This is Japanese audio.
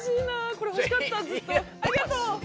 これ欲しかったずっとありがとう！